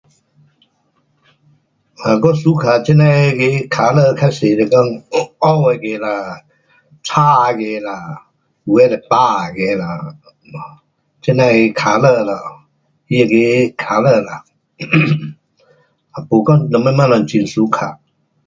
um 我 suka 这那那个 colour 较多是讲，黑那个啦，青那个啦，有的是白那个啦，um um 这那的 colour 咯，他那个 colour 啦 um 也没讲什么东西很 suka